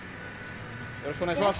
よろしくお願いします。